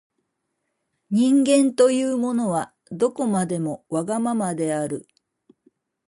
人間というものは、どこまでもわがままである。